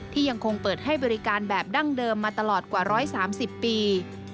ยังคงเปิดให้บริการแบบดั้งเดิมมาตลอดกว่า๑๓๐ปี